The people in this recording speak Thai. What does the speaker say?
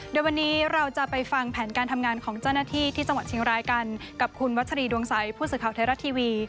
โดยวันนี้เราจะไปฟังแผนการทำงานของเจ้าหน้าที่ที่จังหวัดเชียงรายกันกับคุณวัชรีดวงใสผู้สื่อข่าวไทยรัฐทีวี